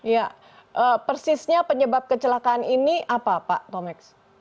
ya persisnya penyebab kecelakaan ini apa pak tomeks